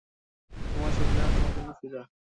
তোমার সখিরা আমার জন্য ফিদা।